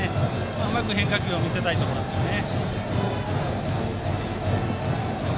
うまく変化球を見せたいところですね。